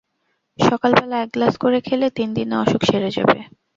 সকালবেলা এক গ্লাস করে খেলে তিন দিনে অসুখ সেরে যাবে।